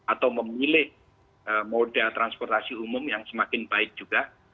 atau memilih moda transportasi umum yang semakin baik juga